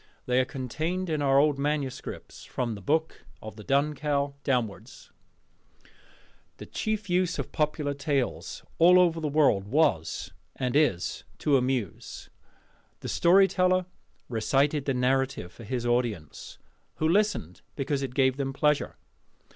They are contained in our old manuscripts, from the Book of the Dun Cow downwards. The chief use of popular tales all the world over was and is to amuse. The storyteller recited the narrative for his audience, who listened because it gave them pleasure.